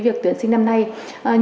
là từ tám mươi một trở lên